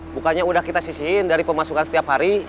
bukannya udah kita sisihin dari pemasukan setiap hari